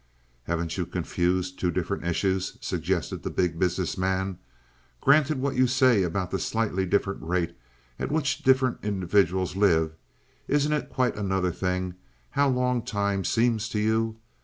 "Haven't you confused two different issues?" suggested the Big Business Man. "Granted what you say about the slightly different rate at which different individuals live, isn't it quite another thing, how long time seems to you.